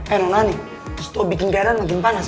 eh nona nih terus lo bikin keadaan makin panas ya